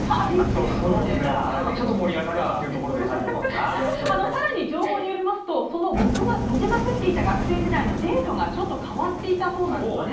ちょっと盛り上がればというところで更に、情報によりますとモテまくっていた学生時代のデートが、ちょっと変わっていたそうなんです。